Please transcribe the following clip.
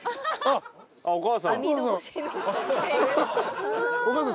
お母さん。